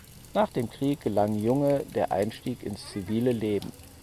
Nach dem Krieg gelang Junge der Einstieg ins zivile Leben.